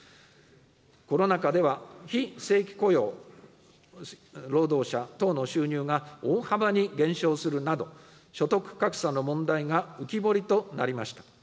コロナ禍では非正規雇用労働者等の収入が大幅に減少するなど、所得格差の問題が浮き彫りとなりました。